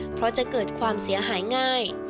เพราะจะเกิดความเสียหายง่าย